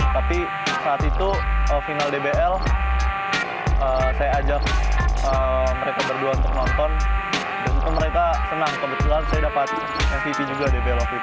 tapi saat itu final dbl saya ajak mereka berdua untuk nonton dan itu mereka senang kebetulan saya dapat svp juga dbl office